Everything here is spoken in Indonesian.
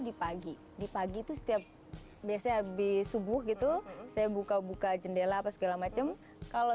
di pagi di pagi itu setiap biasanya habis subuh gitu saya buka buka jendela apa segala macem kalau